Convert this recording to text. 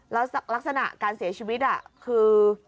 แล้วลักษณะการเสียชีวิตคือ